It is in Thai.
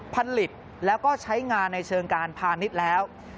ผลิตแล้วก็ใช้งานในเชิงการพาณิชย์แล้ว